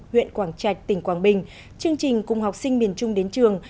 huyện quảng trạch tỉnh quảng bình chương trình cùng học sinh miền trung đến trường